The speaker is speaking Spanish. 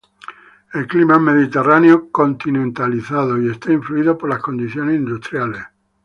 El clima es mediterráneo continentalizado y está influido por las condiciones industriales.